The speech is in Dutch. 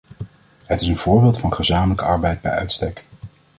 Het is een voorbeeld van gezamenlijke arbeid bij uitstek.